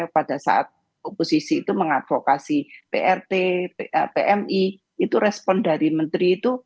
pada saat oposisi itu mengadvokasi prt pmi itu respon dari menteri itu